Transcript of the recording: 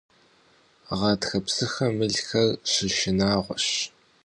Гъатхэ псыхэм мылхэр щышынагъуэщ.